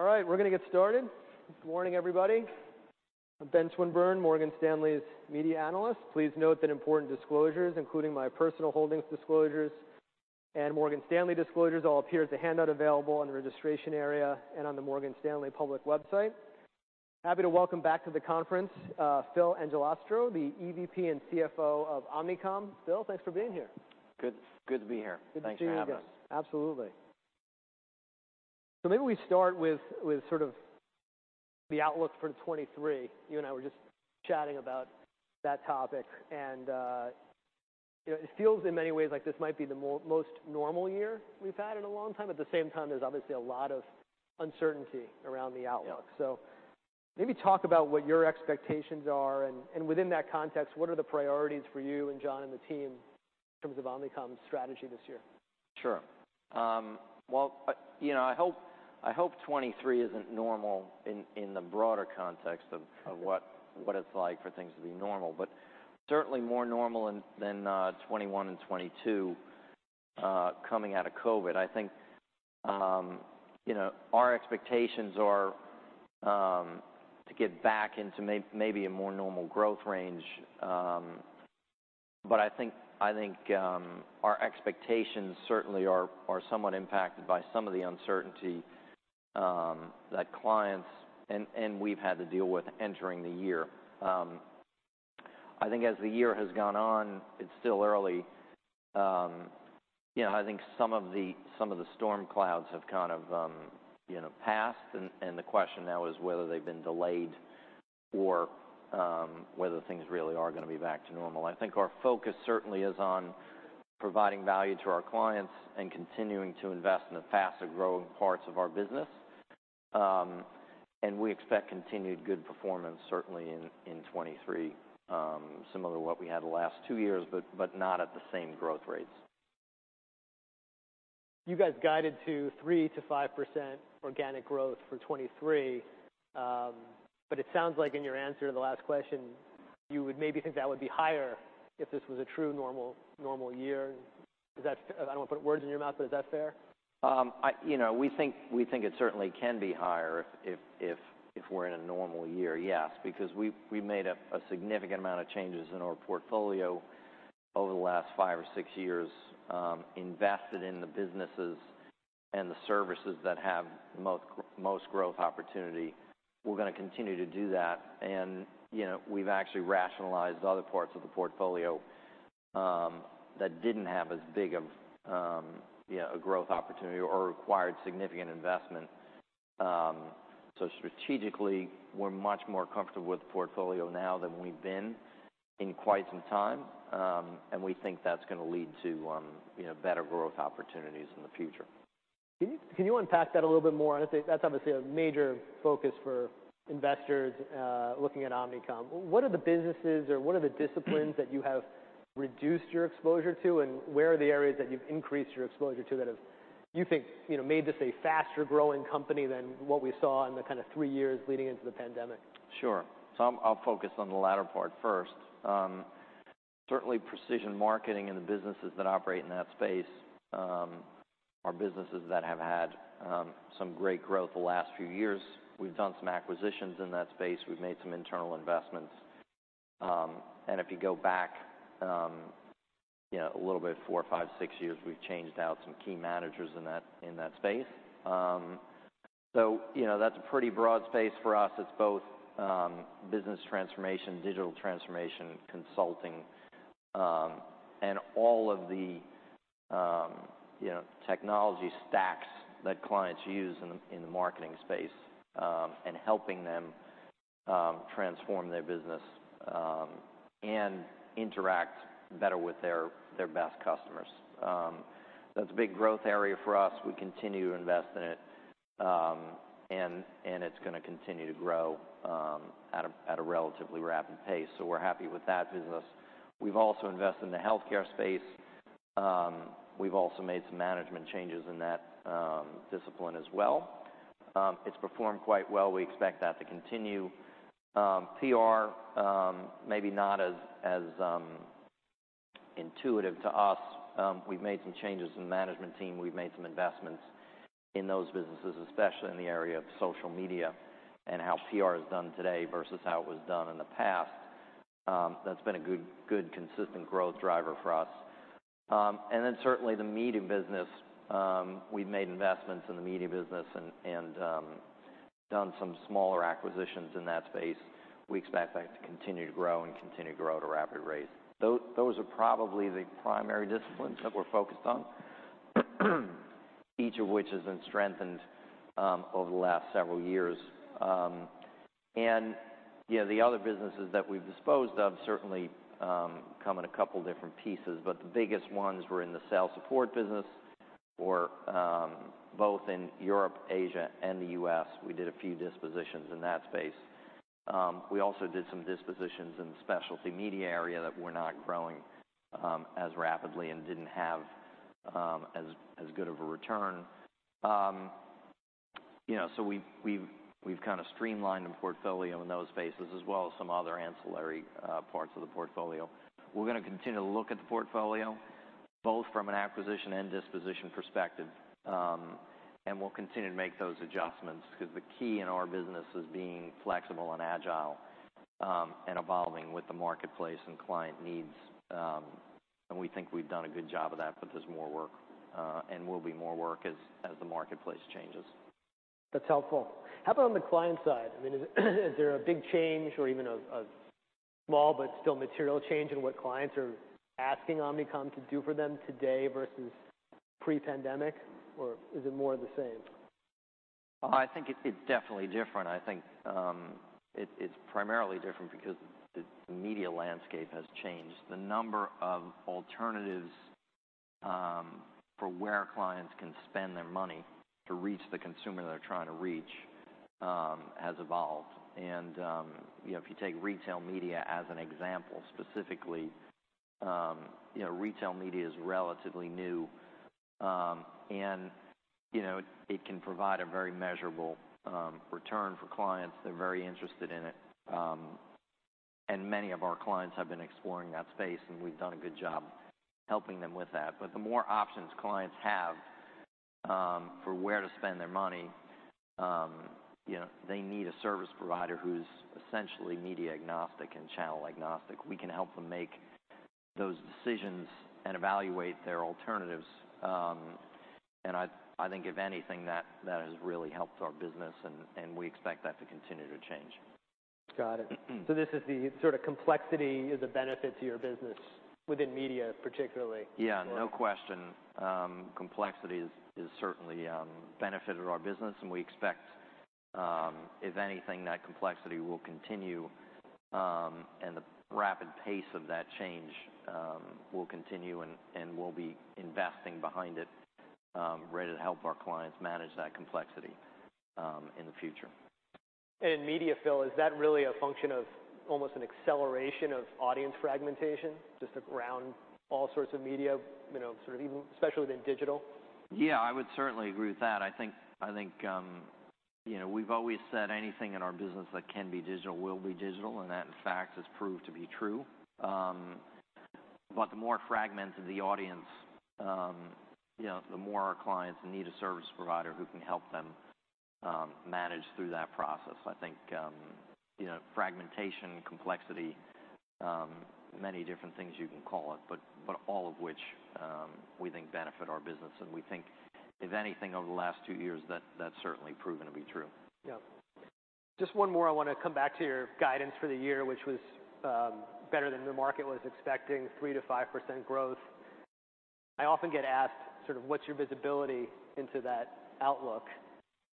All right, we're going to get started. Good morning, everybody. I'm Ben Swinburne, Morgan Stanley's media analyst. Please note that important disclosures, including my personal holdings disclosures and Morgan Stanley disclosures, all appear as a handout available in the registration area and on the Morgan Stanley public website. Happy to welcome back to the conference, Phil Angelastro, the EVP and CFO of Omnicom. Phil, thanks for being here. Good, good to be here. Thanks for having us. Good to see you again. Absolutely. So maybe we start with sort of the outlook for 2023. You and I were just chatting about that topic. And, you know, it feels in many ways like this might be the most normal year we've had in a long time. At the same time, there's obviously a lot of uncertainty around the outlook. So maybe talk about what your expectations are. And within that context, what are the priorities for you and John and the team in terms of Omnicom's strategy this year? Sure. Well, you know, I hope 2023 isn't normal in the broader context of what it's like for things to be normal. But certainly more normal than 2021 and 2022, coming out of COVID. I think, you know, our expectations are to get back into maybe a more normal growth range. But I think our expectations certainly are somewhat impacted by some of the uncertainty that clients and we've had to deal with entering the year. I think as the year has gone on, it's still early. You know, I think some of the storm clouds have kind of, you know, passed. The question now is whether they've been delayed or whether things really are going to be back to normal. I think our focus certainly is on providing value to our clients and continuing to invest in the fastest growing parts of our business. We expect continued good performance certainly in 2023, similar to what we had the last two years, but not at the same growth rates. You guys guided to 3%-5% organic growth for 2023. But it sounds like in your answer to the last question, you would maybe think that would be higher if this was a true normal, normal year. Is that fair? I don't want to put words in your mouth, but is that fair? You know, we think it certainly can be higher if we're in a normal year, yes. Because we made a significant amount of changes in our portfolio over the last five or six years, invested in the businesses and the services that have the most growth opportunity. We're going to continue to do that. You know, we've actually rationalized other parts of the portfolio that didn't have as big of, you know, a growth opportunity or required significant investment. So strategically, we're much more comfortable with the portfolio now than we've been in quite some time. And we think that's going to lead to, you know, better growth opportunities in the future. Can you, can you unpack that a little bit more? I think that's obviously a major focus for investors, looking at Omnicom. What are the businesses or what are the disciplines that you have reduced your exposure to? And where are the areas that you've increased your exposure to that have, you think, you know, made this a faster growing company than what we saw in the kind of three years leading into the pandemic? Sure. So I'll focus on the latter part first. Certainly precision marketing and the businesses that operate in that space are businesses that have had some great growth the last few years. We've done some acquisitions in that space. We've made some internal investments, and if you go back, you know, a little bit four, five, six years, we've changed out some key managers in that space, so you know, that's a pretty broad space for us. It's both business transformation, digital transformation, consulting, and all of the, you know, technology stacks that clients use in the marketing space, and helping them transform their business and interact better with their best customers. That's a big growth area for us. We continue to invest in it, and it's going to continue to grow at a relatively rapid pace. So we're happy with that business. We've also invested in the healthcare space. We've also made some management changes in that discipline as well. It's performed quite well. We expect that to continue. PR, maybe not as intuitive to us. We've made some changes in the management team. We've made some investments in those businesses, especially in the area of social media and how PR is done today versus how it was done in the past. That's been a good, good, consistent growth driver for us, and then certainly the media business, we've made investments in the media business and done some smaller acquisitions in that space. We expect that to continue to grow and continue to grow at a rapid rate. Those are probably the primary disciplines that we're focused on, each of which has been strengthened over the last several years. And, you know, the other businesses that we've disposed of certainly come in a couple different pieces. But the biggest ones were in the sales support business or both in Europe, Asia, and the U.S. We did a few dispositions in that space. We also did some dispositions in the specialty media area that were not growing as rapidly and didn't have as good of a return. You know, so we've kind of streamlined the portfolio in those spaces as well as some other ancillary parts of the portfolio. We're going to continue to look at the portfolio both from an acquisition and disposition perspective. And we'll continue to make those adjustments because the key in our business is being flexible and agile, and evolving with the marketplace and client needs. And we think we've done a good job of that, but there's more work, and will be more work as the marketplace changes. That's helpful. How about on the client side? I mean, is there a big change or even a small but still material change in what clients are asking Omnicom to do for them today versus pre-pandemic? Or is it more of the same? I think it's definitely different. I think it's primarily different because the media landscape has changed. The number of alternatives for where clients can spend their money to reach the consumer they're trying to reach has evolved. You know, if you take retail media as an example specifically, you know, retail media is relatively new. You know, it can provide a very measurable return for clients. They're very interested in it. Many of our clients have been exploring that space, and we've done a good job helping them with that. The more options clients have for where to spend their money, you know, they need a service provider who's essentially media agnostic and channel agnostic. We can help them make those decisions and evaluate their alternatives. I think if anything, that has really helped our business, and we expect that to continue to change. Got it. So this is the sort of complexity is a benefit to your business within media particularly. Yeah, no question. Complexity is certainly benefited our business. We expect, if anything, that complexity will continue, and the rapid pace of that change will continue. We'll be investing behind it, ready to help our clients manage that complexity in the future. In media, Phil, is that really a function of almost an acceleration of audience fragmentation, just around all sorts of media, you know, sort of even especially within digital? Yeah, I would certainly agree with that. I think, I think, you know, we've always said anything in our business that can be digital will be digital. And that, in fact, has proved to be true. But the more fragmented the audience, you know, the more our clients need a service provider who can help them, manage through that process. I think, you know, fragmentation, complexity, many different things you can call it, but, but all of which, we think benefit our business. And we think, if anything, over the last two years, that, that's certainly proven to be true. Yeah. Just one more. I want to come back to your guidance for the year, which was better than the market was expecting, 3%-5% growth. I often get asked sort of what's your visibility into that outlook.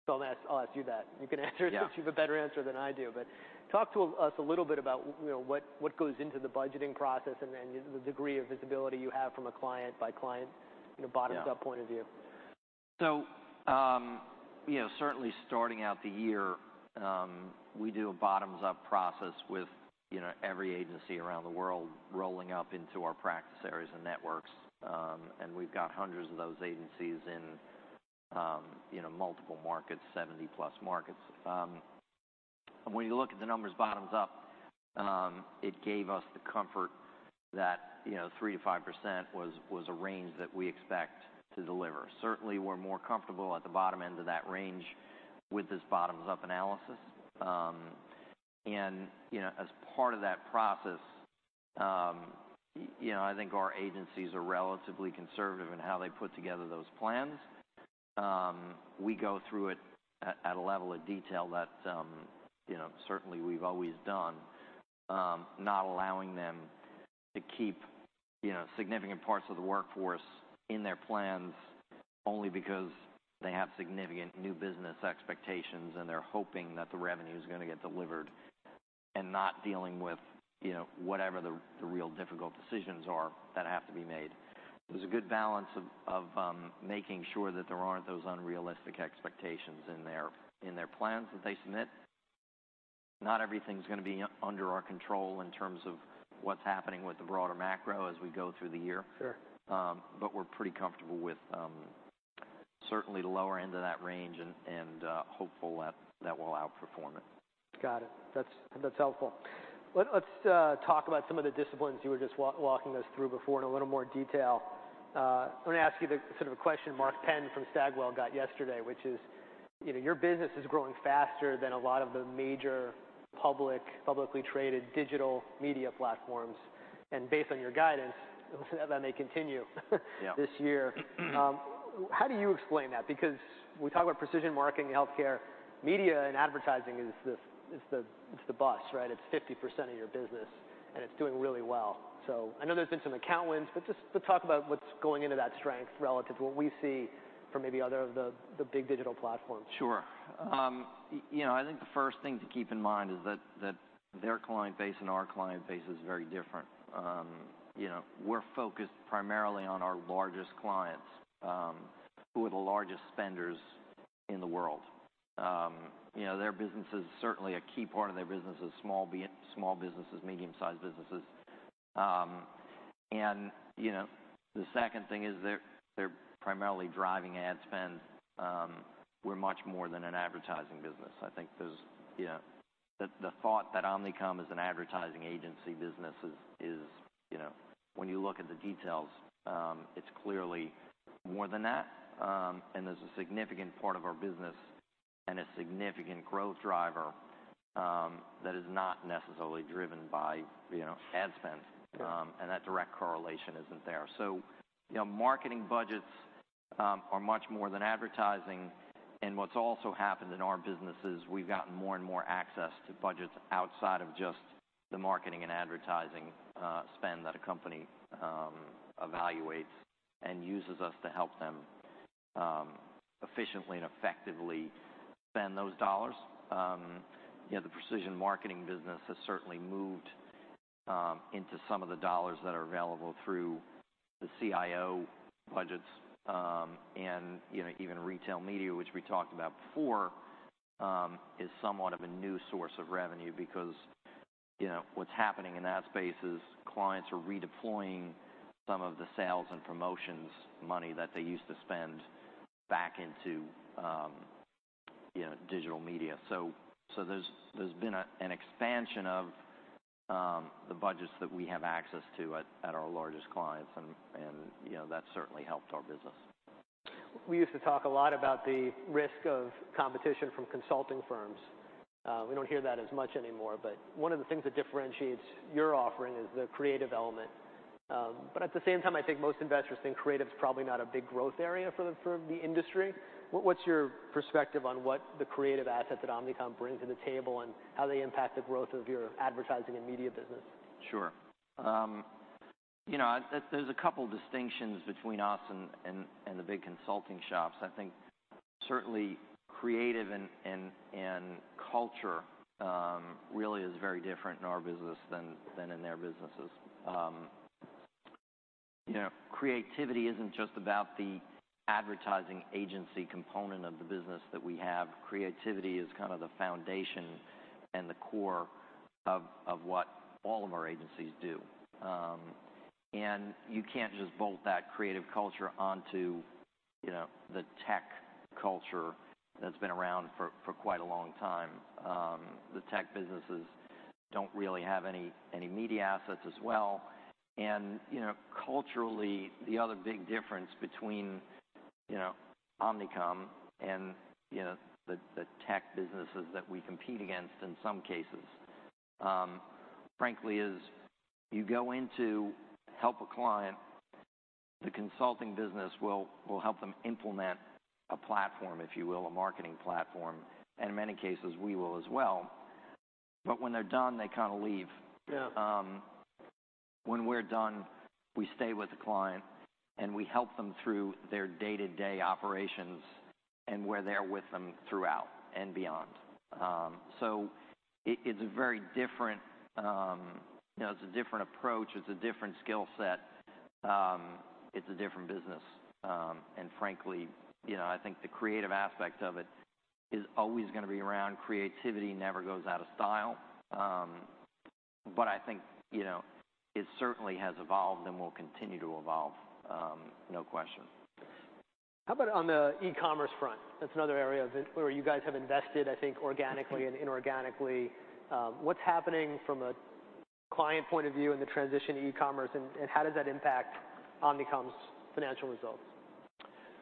So I'll ask, I'll ask you that. You can answer it since you have a better answer than I do. But talk to us a little bit about, you know, what, what goes into the budgeting process and, and the degree of visibility you have from a client-by-client, you know, bottoms-up point of view. Yeah. So, you know, certainly starting out the year, we do a bottoms-up process with, you know, every agency around the world rolling up into our practice areas and networks, and we've got hundreds of those agencies in, you know, multiple markets, 70-plus markets, and when you look at the numbers bottoms-up, it gave us the comfort that, you know, 3%-5% was a range that we expect to deliver. Certainly, we're more comfortable at the bottom end of that range with this bottoms-up analysis, and, you know, as part of that process, you know, I think our agencies are relatively conservative in how they put together those plans. We go through it at a level of detail that, you know, certainly we've always done, not allowing them to keep, you know, significant parts of the workforce in their plans only because they have significant new business expectations and they're hoping that the revenue is going to get delivered and not dealing with, you know, whatever the real difficult decisions are that have to be made. There's a good balance of making sure that there aren't those unrealistic expectations in their plans that they submit. Not everything's going to be under our control in terms of what's happening with the broader macro as we go through the year. Sure. but we're pretty comfortable with certainly the lower end of that range and hopeful that we'll outperform it. Got it. That's helpful. Let's talk about some of the disciplines you were just walking us through before in a little more detail. I want to ask you the sort of a question Mark Penn from Stagwell got yesterday, which is, you know, your business is growing faster than a lot of the major public, publicly traded digital media platforms. And based on your guidance, let's have that may continue. Yeah. This year, how do you explain that? Because we talk about precision marketing and healthcare, media and advertising is the, it's the bus, right? It's 50% of your business, and it's doing really well. So I know there's been some account wins, but talk about what's going into that strength relative to what we see from maybe other of the big digital platforms. Sure. You know, I think the first thing to keep in mind is that their client base and our client base is very different. You know, we're focused primarily on our largest clients, who are the largest spenders in the world. You know, their business is certainly a key part of their business is small businesses, medium-sized businesses. You know, the second thing is they're primarily driving ad spend. We're much more than an advertising business. I think there's, you know, the thought that Omnicom is an advertising agency business is, you know, when you look at the details, it's clearly more than that. There's a significant part of our business and a significant growth driver, that is not necessarily driven by, you know, ad spend. That direct correlation isn't there. You know, marketing budgets are much more than advertising. And what's also happened in our business is we've gotten more and more access to budgets outside of just the marketing and advertising spend that a company evaluates and uses us to help them efficiently and effectively spend those dollars. You know, the precision marketing business has certainly moved into some of the dollars that are available through the CIO budgets, and you know, even retail media, which we talked about before, is somewhat of a new source of revenue because you know, what's happening in that space is clients are redeploying some of the sales and promotions money that they used to spend back into you know, digital media, so there's been an expansion of the budgets that we have access to at our largest clients, and you know, that's certainly helped our business. We used to talk a lot about the risk of competition from consulting firms. We don't hear that as much anymore. But one of the things that differentiates your offering is the creative element. But at the same time, I think most investors think creative's probably not a big growth area for the industry. What's your perspective on what the creative assets that Omnicom brings to the table and how they impact the growth of your advertising and media business? Sure. You know, there's a couple distinctions between us and the big consulting shops. I think certainly creative and culture really is very different in our business than in their businesses. You know, creativity isn't just about the advertising agency component of the business that we have. Creativity is kind of the foundation and the core of what all of our agencies do, and you can't just bolt that creative culture onto, you know, the tech culture that's been around for quite a long time. The tech businesses don't really have any media assets as well. And, you know, culturally, the other big difference between, you know, Omnicom and, you know, the tech businesses that we compete against in some cases, frankly, is you go in to help a client. The consulting business will help them implement a platform, if you will, a marketing platform. And in many cases, we will as well. But when they're done, they kind of leave. Yeah. When we're done, we stay with the client and we help them through their day-to-day operations and we're there with them throughout and beyond, so it, it's a very different, you know, it's a different approach. It's a different skill set. It's a different business, and frankly, you know, I think the creative aspect of it is always going to be around. Creativity never goes out of style, but I think, you know, it certainly has evolved and will continue to evolve, no question. How about on the e-commerce front? That's another area of where you guys have invested, I think, organically and inorganically. What's happening from a client point of view in the transition to e-commerce and how does that impact Omnicom's financial results?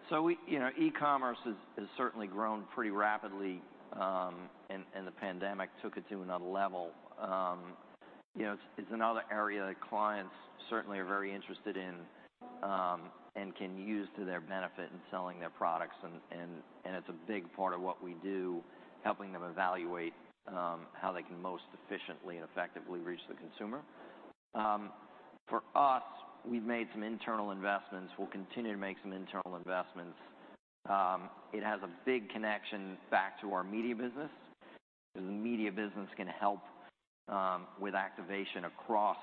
So we, you know, e-commerce has certainly grown pretty rapidly, and it's a big part of what we do, helping them evaluate how they can most efficiently and effectively reach the consumer. For us, we've made some internal investments. We'll continue to make some internal investments. It has a big connection back to our media business because the media business can help with activation across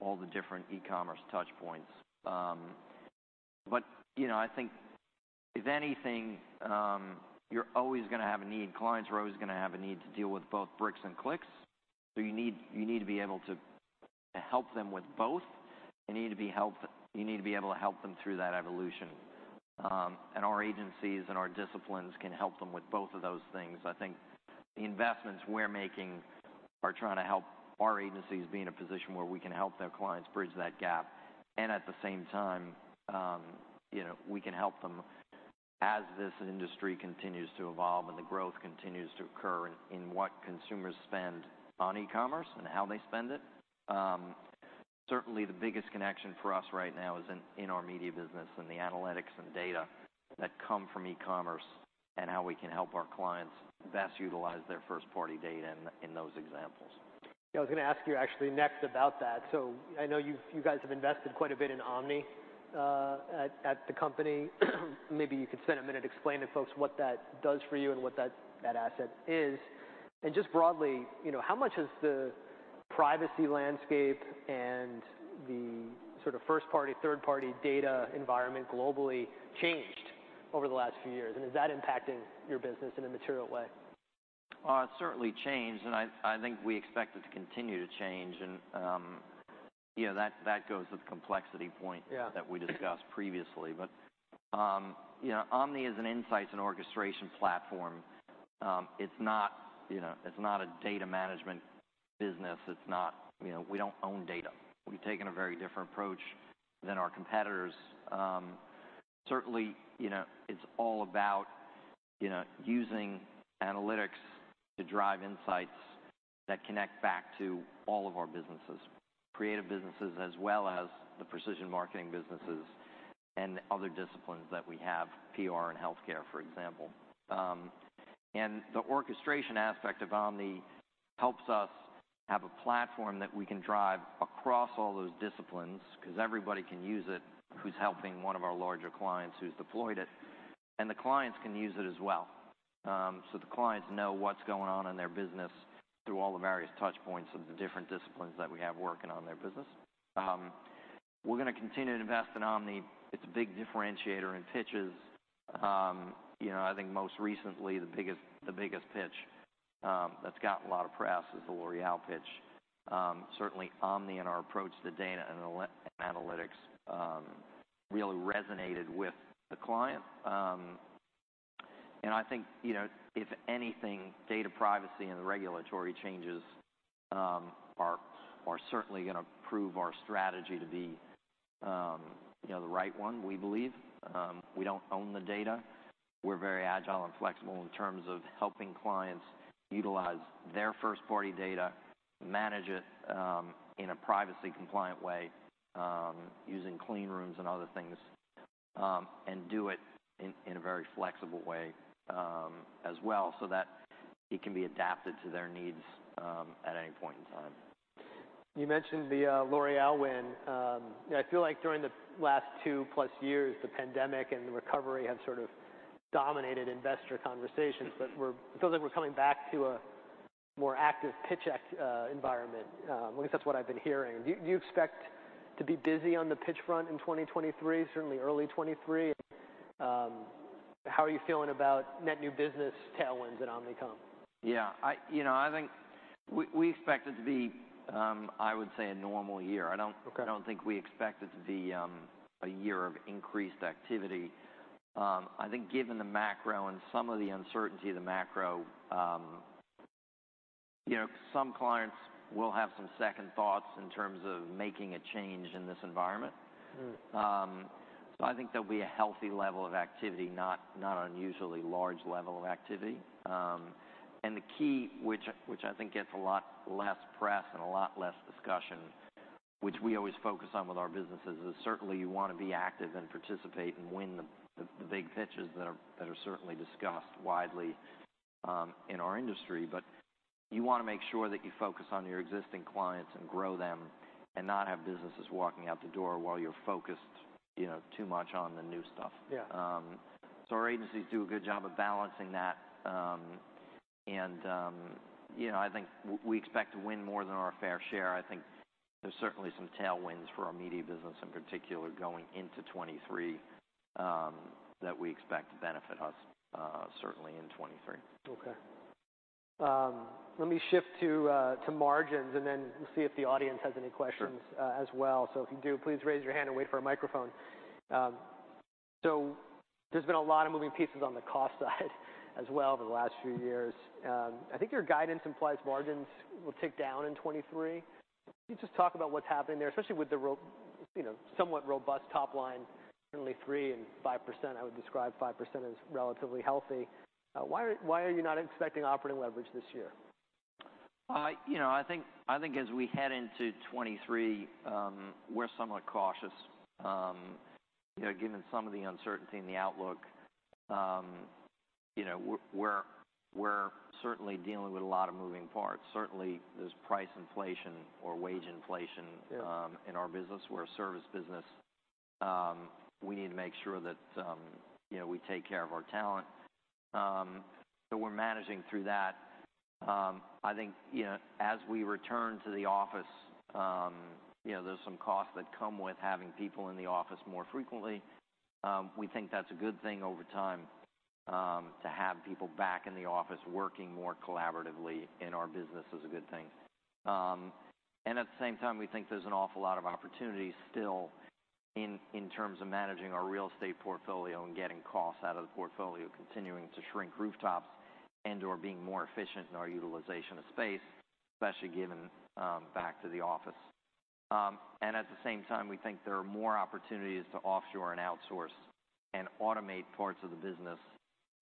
all the different e-commerce touchpoints. But, you know, I think if anything, you're always going to have a need. Clients are always going to have a need to deal with both bricks and clicks. So you need to be able to help them with both. You need to be helped. You need to be able to help them through that evolution, and our agencies and our disciplines can help them with both of those things. I think the investments we're making are trying to help our agencies be in a position where we can help their clients bridge that gap, and at the same time, you know, we can help them as this industry continues to evolve and the growth continues to occur in, in what consumers spend on e-commerce and how they spend it, certainly the biggest connection for us right now is in, in our media business and the analytics and data that come from e-commerce and how we can help our clients best utilize their first-party data in, in those examples. Yeah, I was going to ask you actually next about that. So I know you've, you guys have invested quite a bit in Omni at the company. Maybe you could spend a minute explaining to folks what that does for you and what that asset is. And just broadly, you know, how much has the privacy landscape and the sort of first-party, third-party data environment globally changed over the last few years? And is that impacting your business in a material way? It's certainly changed. And I think we expect it to continue to change. And, you know, that goes to the complexity point. Yeah. That we discussed previously. But, you know, Omni is an insights and orchestration platform. It's not, you know. It's not a data management business. It's not, you know, we don't own data. We've taken a very different approach than our competitors. Certainly, you know, it's all about, you know, using analytics to drive insights that connect back to all of our businesses, creative businesses as well as the precision marketing businesses and other disciplines that we have, PR and healthcare, for example, and the orchestration aspect of Omni helps us have a platform that we can drive across all those disciplines because everybody can use it who's helping one of our larger clients who's deployed it, and the clients can use it as well, so the clients know what's going on in their business through all the various touchpoints of the different disciplines that we have working on their business. We're going to continue to invest in Omni. It's a big differentiator in pitches. You know, I think most recently the biggest, the biggest pitch that's gotten a lot of press is the L'Oréal pitch. Certainly, Omni and our approach to data and analytics really resonated with the client, and I think, you know, if anything, data privacy and the regulatory changes are certainly going to prove our strategy to be, you know, the right one, we believe. We don't own the data. We're very agile and flexible in terms of helping clients utilize their first-party data, manage it, in a privacy-compliant way, using clean rooms and other things, and do it in a very flexible way, as well, so that it can be adapted to their needs at any point in time. You mentioned the L'Oréal win. You know, I feel like during the last two-plus years, the pandemic and the recovery have sort of dominated investor conversations. But it feels like we're coming back to a more active pitch activity environment, at least that's what I've been hearing. Do you, do you expect to be busy on the pitch front in 2023, certainly early 2023? How are you feeling about net new business tailwinds at Omnicom? Yeah. I, you know, I think we, we expect it to be, I would say, a normal year. I don't. I don't think we expect it to be a year of increased activity. I think given the macro and some of the uncertainty of the macro, you know, some clients will have some second thoughts in terms of making a change in this environment, so I think there'll be a healthy level of activity, not unusually large level of activity, and the key, which I think gets a lot less press and a lot less discussion, which we always focus on with our businesses, is certainly you want to be active and participate and win the big pitches that are certainly discussed widely, in our industry, but you want to make sure that you focus on your existing clients and grow them and not have businesses walking out the door while you're focused, you know, too much on the new stuff. Yeah. So our agencies do a good job of balancing that. And, you know, I think we expect to win more than our fair share. I think there's certainly some tailwinds for our media business in particular going into 2023, that we expect to benefit us, certainly in 2023. Okay. Let me shift to margins, and then we'll see if the audience has any questions. Sure. As well. So if you do, please raise your hand and wait for a microphone. So there's been a lot of moving pieces on the cost side as well over the last few years. I think your guidance implies margins will tick down in 2023. Can you just talk about what's happening there, especially with the, you know, somewhat robust top line, certainly 3%-5%? I would describe 5% as relatively healthy. Why are, why are you not expecting operating leverage this year? You know, I think as we head into 2023, we're somewhat cautious. You know, given some of the uncertainty in the outlook, you know, we're certainly dealing with a lot of moving parts. Certainly, there's price inflation or wage inflation. Yeah. In our business. We're a service business. We need to make sure that, you know, we take care of our talent, so we're managing through that. I think, you know, as we return to the office, you know, there's some costs that come with having people in the office more frequently. We think that's a good thing over time, to have people back in the office working more collaboratively in our business is a good thing, and at the same time, we think there's an awful lot of opportunities still in, in terms of managing our real estate portfolio and getting costs out of the portfolio, continuing to shrink rooftops and/or being more efficient in our utilization of space, especially given, back to the office. And at the same time, we think there are more opportunities to offshore and outsource and automate parts of the business,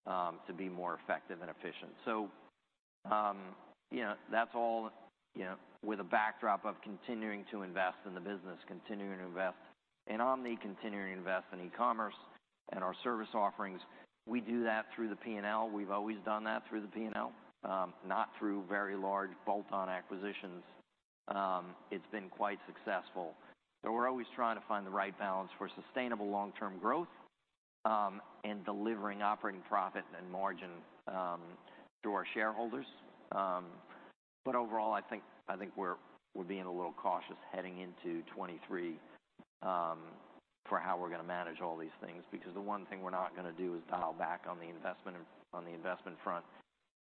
to be more effective and efficient. So, you know, that's all, you know, with a backdrop of continuing to invest in the business, continuing to invest in Omni, continuing to invest in e-commerce and our service offerings. We do that through the P&L. We've always done that through the P&L, not through very large bolt-on acquisitions. It's been quite successful. So we're always trying to find the right balance for sustainable long-term growth, and delivering operating profit and margin, to our shareholders. But overall, I think we're being a little cautious heading into 2023 for how we're going to manage all these things because the one thing we're not going to do is dial back on the investment front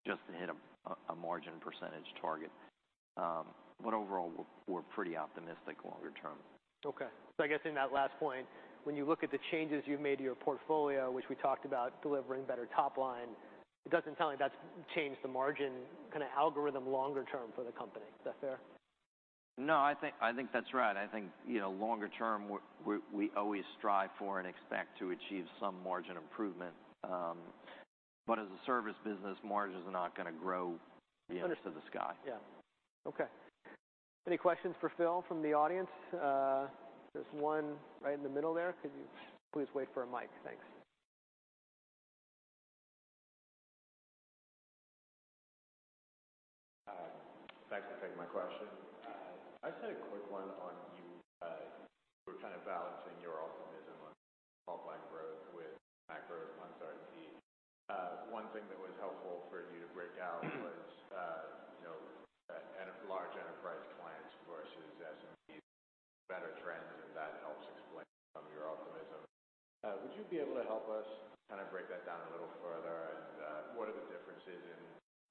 just to hit a margin percentage target. But overall, we're pretty optimistic longer term. Okay. So I guess in that last point, when you look at the changes you've made to your portfolio, which we talked about delivering better top line, it doesn't sound like that's changed the margin kind of algorithm longer term for the company. Is that fair? No, I think that's right. I think, you know, longer term, we always strive for and expect to achieve some margin improvement. But as a service business, margins are not going to grow, you know, to the sky. Understood. Yeah. Okay. Any questions for Phil from the audience? There's one right in the middle there. Could you please wait for a mic? Thanks. Thanks for taking my question. I just had a quick one on you. You were kind of balancing your optimism on top line growth with macro uncertainty. One thing that was helpful for you to break out was, you know, large enterprise clients versus SMBs, better trends, and that helps explain some of your optimism. Would you be able to help us kind of break that down a little further? And what are the differences in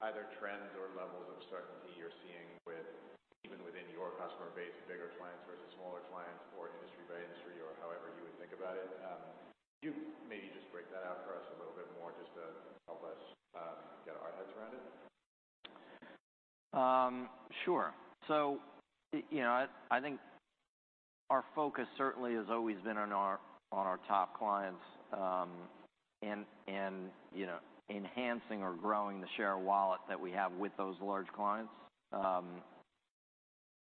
either trends or levels of certainty you're seeing with even within your customer base, bigger clients versus smaller clients or industry by industry or however you would think about it? Could you maybe just break that out for us a little bit more just to help us get our heads around it? Sure. So, you know, I think our focus certainly has always been on our top clients, and you know, enhancing or growing the share of wallet that we have with those large clients.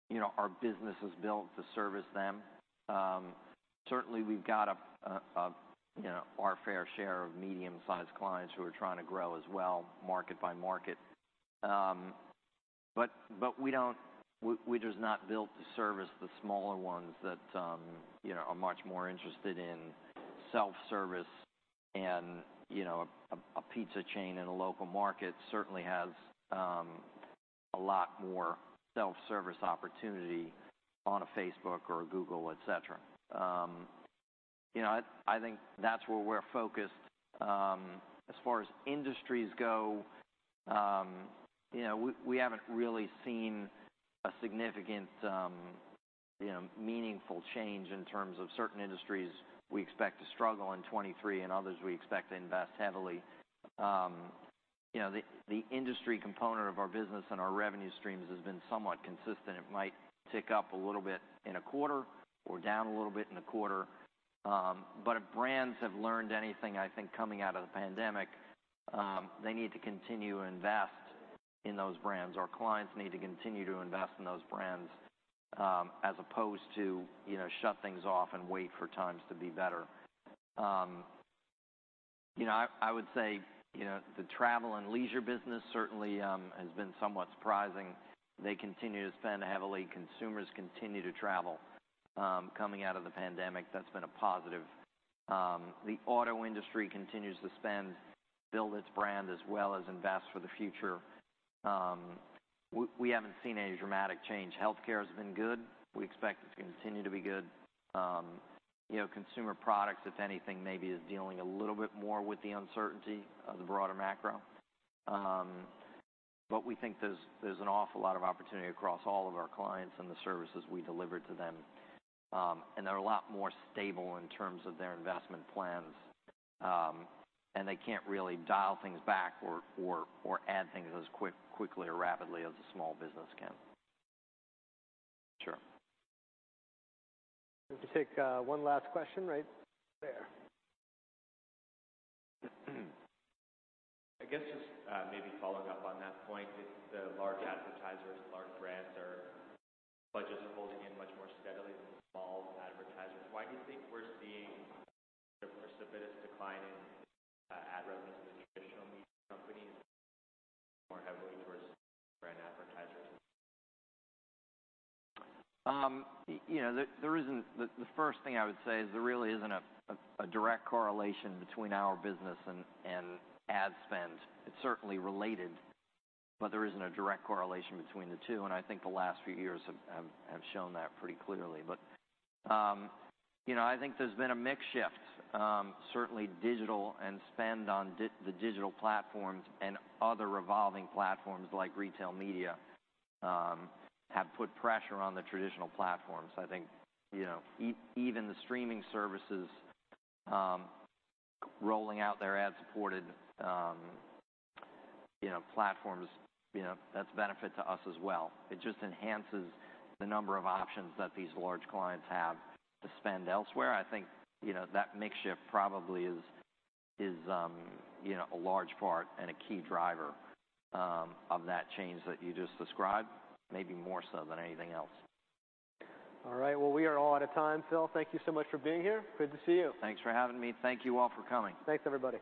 You know, our business is built to service them. Certainly we've got, you know, our fair share of medium-sized clients who are trying to grow as well, market by market. But we don't. We just not built to service the smaller ones that, you know, are much more interested in self-service and, you know, a pizza chain in a local market certainly has a lot more self-service opportunity on a Facebook or a Google, etc. You know, I think that's where we're focused. As far as industries go, you know, we haven't really seen a significant, you know, meaningful change in terms of certain industries we expect to struggle in 2023 and others we expect to invest heavily. You know, the industry component of our business and our revenue streams has been somewhat consistent. It might tick up a little bit in a quarter or down a little bit in a quarter, but if brands have learned anything, I think coming out of the pandemic, they need to continue to invest in those brands. Our clients need to continue to invest in those brands, as opposed to, you know, shut things off and wait for times to be better. You know, I would say, you know, the travel and leisure business certainly has been somewhat surprising. They continue to spend heavily. Consumers continue to travel, coming out of the pandemic. That's been a positive. The auto industry continues to spend, build its brand as well as invest for the future. We haven't seen any dramatic change. Healthcare has been good. We expect it to continue to be good. You know, consumer products, if anything, maybe is dealing a little bit more with the uncertainty of the broader macro. But we think there's an awful lot of opportunity across all of our clients and the services we deliver to them. And they're a lot more stable in terms of their investment plans. And they can't really dial things back or add things as quickly or rapidly as a small business can. Sure. If you take one last question, right there. I guess just maybe following up on that point, the large advertisers, large brands' budgets are holding in much more steadily than the small advertisers. Why do you think we're seeing the precipitous decline in ad revenues in the traditional media companies more heavily towards brand advertisers? You know, the first thing I would say is there really isn't a direct correlation between our business and ad spend. It's certainly related, but there isn't a direct correlation between the two. And I think the last few years have shown that pretty clearly. But, you know, I think there's been a mix shift. Certainly digital ad spend on the digital platforms and other evolving platforms like retail media have put pressure on the traditional platforms. I think, you know, even the streaming services, rolling out their ad-supported, you know, platforms, you know, that's a benefit to us as well. It just enhances the number of options that these large clients have to spend elsewhere. I think, you know, that mix shift probably is a large part and a key driver of that change that you just described, maybe more so than anything else. All right. Well, we are all out of time, Phil. Thank you so much for being here. Good to see you. Thanks for having me. Thank you all for coming. Thanks, everybody.